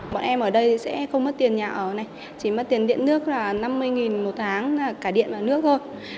bọn em ở đây sẽ không mất tiền nhà ở này chỉ mất tiền điện nước là năm mươi một tháng là cả điện và nước thôi